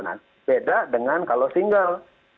nah beda dengan kalau single